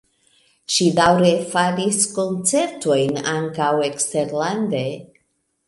Ŝi daŭre faris koncertojn ankaŭ eksterlande.